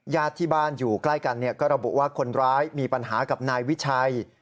ญาติที่บ้านอยู่ใกล้กันก็ระบุว่าคนร้ายมีปัญหากับนายวิชัย